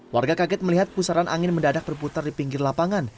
warga kaget melihat pusaran angin mendadak berputar di pinggir lapangan